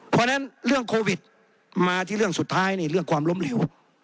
เพราะฉะนั้นเรื่องโควิดมาที่เรื่องสุดท้ายนี่เรื่องความล้มเหลว